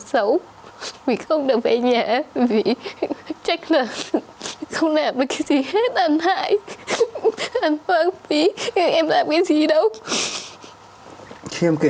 xấu bị không được về nhà vì trách lời không nè với cái gì hết anh đại hommange ở đâu khi em kể